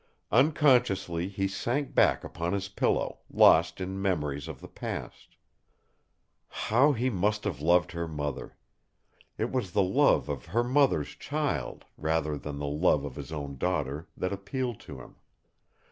Unconsciously he sank back upon his pillow, lost in memories of the past. How he must have loved her mother! It was the love of her mother's child, rather than the love of his own daughter, that appealed to him.